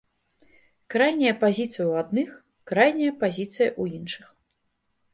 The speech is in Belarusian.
Крайняя пазіцыя ў адных, крайняя пазіцыя ў іншых.